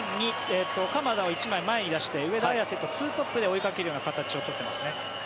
鎌田を１枚前に出して上田綺世と２トップで追いかける形を取っていますね。